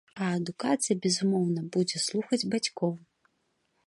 А адукацыя, безумоўна, будзе слухаць бацькоў.